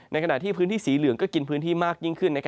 ขณะที่พื้นที่สีเหลืองก็กินพื้นที่มากยิ่งขึ้น